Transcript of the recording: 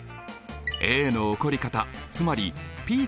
Ａの起こり方つまりＰ町からＱ